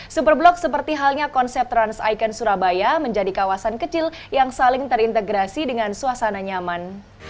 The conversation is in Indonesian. super blok seperti halnya konsep trans icon surabaya menjadi kawasan kecil yang saling terintegrasi dengan suasana nyaman